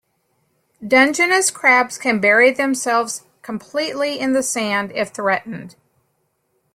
Dungeness crabs can bury themselves completely in the sand if threatened.